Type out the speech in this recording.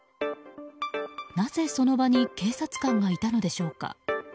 なぜ、その場に警察官がいたのでしょうか。